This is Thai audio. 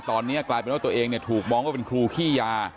ตอนนี้กลายเป็นว่าตัวเองถูกมองว่าเป็นครูขี้ยา